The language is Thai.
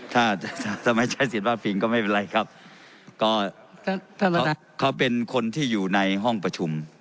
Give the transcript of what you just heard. ถ้าถ้าไม่ใช้สิทธิภาพฟิลก็ไม่เป็นไรครับก็เขาเป็นคนที่อยู่ในห้องประชุม